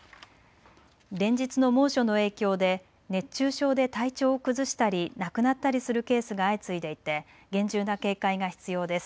連日の猛暑の影響で熱中症で体調を崩したり亡くなったりするケースが相次いでいて厳重な警戒が必要です。